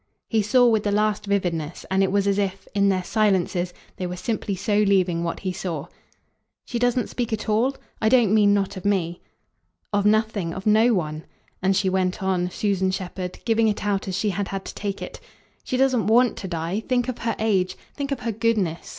He saw with the last vividness, and it was as if, in their silences, they were simply so leaving what he saw. "She doesn't speak at all? I don't mean not of me." "Of nothing of no one." And she went on, Susan Shepherd, giving it out as she had had to take it. "She doesn't WANT to die. Think of her age. Think of her goodness.